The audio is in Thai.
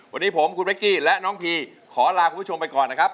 วันนี้ผมคุณเป๊กกี้และน้องทีขอลาคุณผู้ชมไปก่อนนะครับ